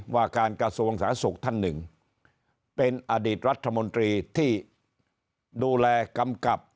ว่าการกระทรวงสาธารณสุขท่านหนึ่งเป็นอดีตรัฐมนตรีที่ดูแลกำกับ